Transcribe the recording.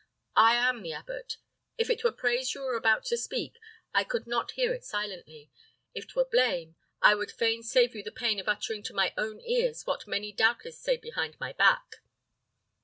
I am the abbot. If it were praise you were about to speak I could not hear it silently; if 'twere blame, I would fain save you the pain of uttering to my own ears what many doubtless say behind my back."